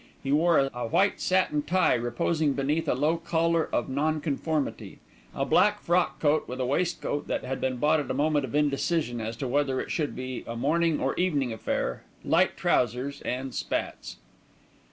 He wore a white satin tie reposing beneath a low collar of nonconformity, a black frock coat with a waistcoat that had been bought at a moment of indecision as to whether it should be a morning or evening affair, light trousers, and spats.